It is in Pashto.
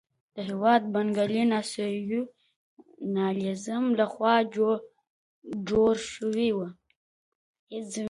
دا هېواد د بنګالي ناسیونالېزم لخوا جوړ شوی وو.